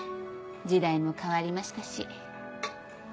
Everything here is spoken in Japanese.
時代も変わりましたし。